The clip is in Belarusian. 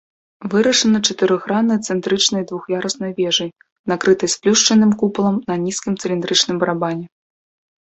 Вырашана чатырохграннай цэнтрычнай двух'яруснай вежай, накрытай сплюшчаным купалам на нізкім цыліндрычным барабане.